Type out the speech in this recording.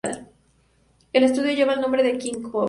El estadio lleva el nombre de King Power.